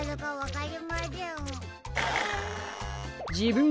はい！